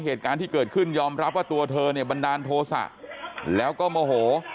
เหตุการณ์ที่เกิดขึ้นยอมรับว่าตัวเธอเนี่ยบันดาลโทษะแล้วก็โมโห